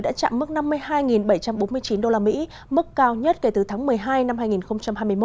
đã chạm mức năm mươi hai bảy trăm bốn mươi chín đô la mỹ mức cao nhất kể từ tháng một mươi hai năm hai nghìn hai mươi một